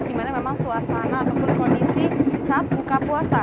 dimana memang suasana ataupun kondisi saat buka puasa